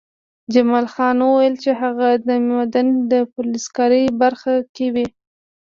جمال خان وویل چې هغه د معدن په فلزکاري برخه کې وي